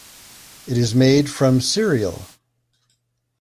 It is made from cereal.